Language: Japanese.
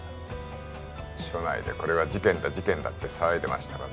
署内でこれは事件だ事件だって騒いでましたらね